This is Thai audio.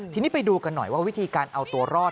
ทีนี้ไปดูกันหน่อยว่าวิธีการเอาตัวรอด